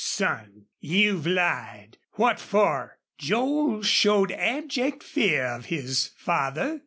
"Son, you've lied. What for?" Joel showed abject fear of his father.